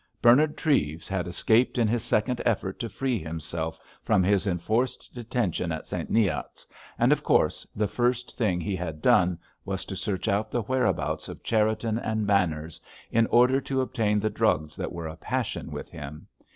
Bernard Treves had escaped in his second effort to free himself from his enforced detention at St. Neot's, and, of course, the first thing he had done was to search out the whereabouts of Cherriton and Manners in order to obtain the drugs that were a passion with him.